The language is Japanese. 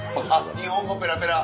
日本語ペラペラ。